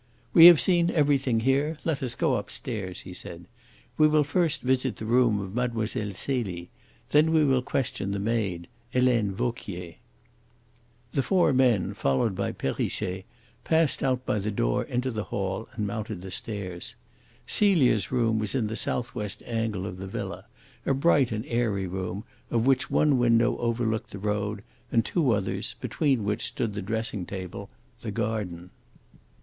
"We have seen everything here; let us go upstairs," he said. "We will first visit the room of Mlle. Celie. Then we will question the maid, Helene Vauquier." The four men, followed by Perrichet, passed out by the door into the hall and mounted the stairs. Celia's room was in the southwest angle of the villa, a bright and airy room, of which one window overlooked the road, and two others, between which stood the dressing table, the garden.